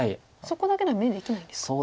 そこだけでは眼できないんですか。